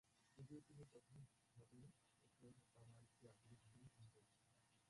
যদিও তিনি প্রাথমিকভাবে একে তামার একটি আকরিক হিসেবে ভুল করেছিলেন।